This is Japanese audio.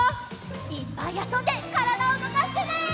いっぱいあそんでからだうごかしてね！